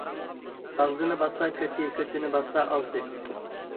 ئاغزىنى باسسا كۆتى، كۆتىنى باسسا ئاغزى.